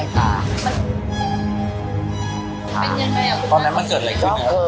เป็นยังไงหรอคุณแม่เพราะแม่มันเกิดอะไรขึ้นเนี่ย